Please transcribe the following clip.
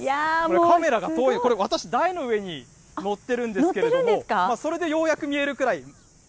カメラが遠い、これ、私、台の上にのってるんですけれども、それでようやく見えるくらい。